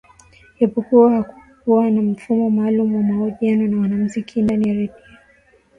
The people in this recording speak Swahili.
Japokuwa hakukuwa na mfumo maalumu wa mahojiano na wanamuziki ndani ya Radio